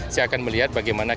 saya akan melihat bagaimana